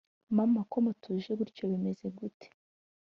mama ko mutuje gutyo bimeze gute?